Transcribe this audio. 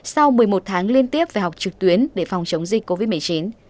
sau một mươi một tháng liên tiếp phải học trực tuyến để phòng chống dịch covid một mươi chín